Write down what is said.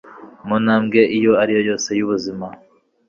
mu ntambwe iyo ariyo yose y'ubuzima.